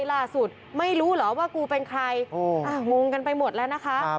ล่าสุดไม่รู้เหรอว่ากูเป็นใครงงกันไปหมดแล้วนะคะ